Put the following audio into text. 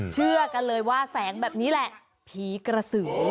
เชื่อกันเลยว่าแสงแบบนี้แหละผีกระสือ